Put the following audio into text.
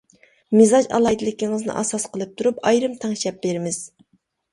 مىزاج ئالاھىدىلىكىڭىزنى ئاساس قىلىپ تۇرۇپ ئايرىم تەڭشەپ بىرىمىز!